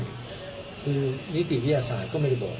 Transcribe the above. คือนิติวิทยาศาสตร์ก็ไม่ได้บอก